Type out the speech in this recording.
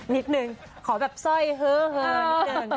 นิดนึงขอแบบสร้อยเฮอนิดนึงนะคะ